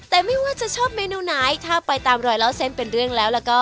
แต่ไม่ว่าจะชอบเมนูไหนถ้าไปตามรอยเล่าเส้นเป็นเรื่องแล้วก็